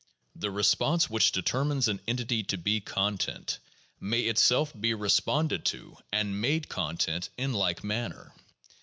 The response which determines an entity to be content, may itself be responded to and made content in like manner.